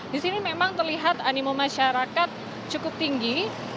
di sini memang terlihat animo masyarakat cukup tinggi